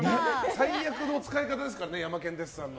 最悪の使い方ですからねヤマケン・デッサンの。